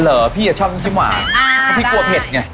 เหรอพี่ชอบน้ำจิ้มหวานเพราะพี่กลัวเผ็ดไง